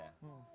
jelas sekali pak